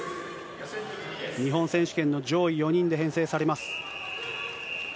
日本選手権の上位４人で編成されます。